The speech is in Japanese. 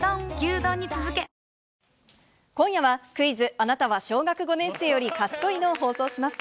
あなたは小学５年生より賢いの？を放送します。